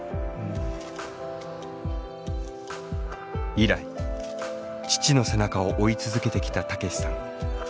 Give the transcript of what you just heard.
以来父の背中を追い続けてきた武さん。